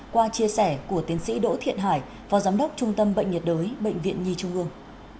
qua chia sẻ của tiến sĩ đỗ thiện hải phó giám đốc trung tâm bệnh nhiệt đới bệnh viện nhi trung ương